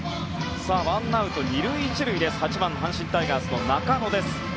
ワンアウト２塁１塁で８番、阪神タイガースの中野。